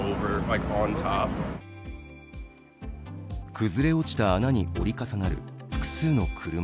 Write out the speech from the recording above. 崩れ落ちた穴に折り重なる複数の車。